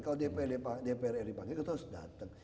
kalau dprd dipanggil terus datang